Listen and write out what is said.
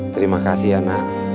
terima kasih anak